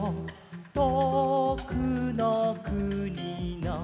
「とおくのくにの」